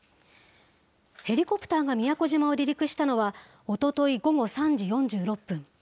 ヘリコプターが宮古島を離陸したのは、おととい午後３時４６分。